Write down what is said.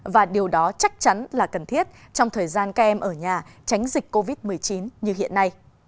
và điều đó chắc chắn là cần thiết trong thời gian các em ở nhà tránh dịch covid một mươi chín như hiện nay